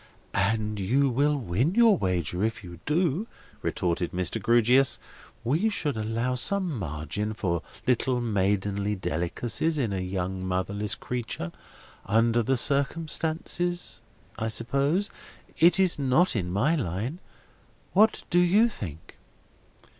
"And you will win your wager, if you do," retorted Mr. Grewgious. "We should allow some margin for little maidenly delicacies in a young motherless creature, under such circumstances, I suppose; it is not in my line; what do you think?"